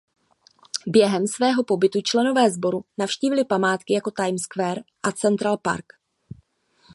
Během svého pobytu členové sboru navštíví památky jako Times Square a Central Park.